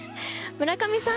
村上さん。